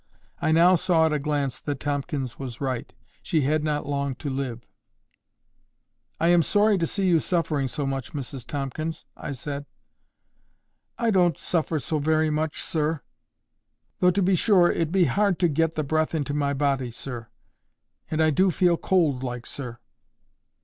I now saw at a glance that Tomkins was right. She had not long to live. "I am sorry to see you suffering so much, Mrs Tomkins," I said. "I don't suffer so wery much, sir; though to be sure it be hard to get the breath into my body, sir. And I do feel cold like, sir."